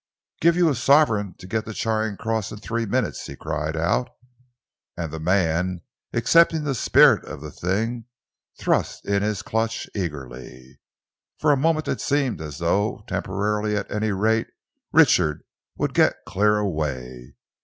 "Give you a sovereign to get to Charing Cross in three minutes," he cried out, and the man, accepting the spirit of the thing, thrust in his clutch, eagerly. For a moment it seemed as though temporarily, at any rate, Richard would get clear away.